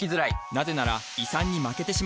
なぜなら胃酸に負けてしまうから。